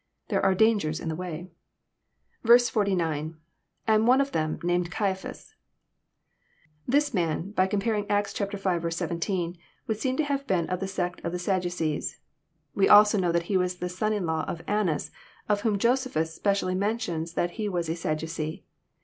There are dangers in the way." «t^. — [And one ofthemy named Oaiaphas,'] This man, by comparing Acts V. 17, would seem to have been of the sect of the Saddn cees. We also know that he was son in law to Annas, of whom Josephus specially mentions that he was a Sadducee.